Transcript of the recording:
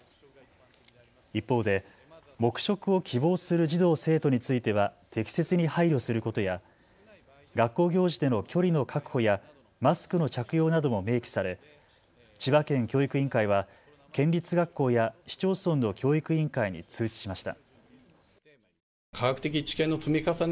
一方で黙食を希望する児童生徒については適切に配慮することや学校行事での距離の確保やマスクの着用なども明記され千葉県教育委員会は県立学校や市町村の教育委員会に通知しました。